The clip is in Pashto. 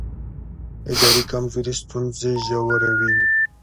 اداري کمزوري ستونزې ژوروي